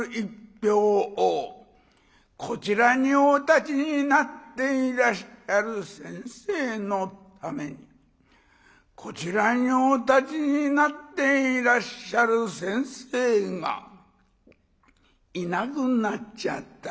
１票をこちらにお立ちになっていらっしゃる先生のためにこちらにお立ちになっていらっしゃる先生がいなくなっちゃった。